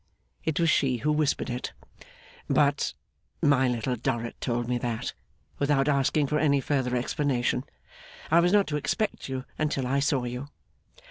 (It was she who whispered it.) ' But my Little Dorrit told me that, without asking for any further explanation, I was not to expect you until I saw you.